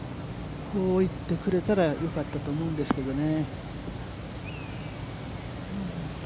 こう行ってくれたらよかったと思うんですけどね。